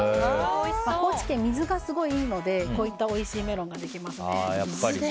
高知県、水がすごくいいのでこういったおいしいメロンができますね。